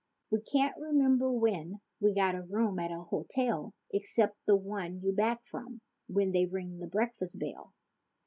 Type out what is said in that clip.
We can't remember when we got a room at a hotel Except the one you back from when they ring the breakfast bell.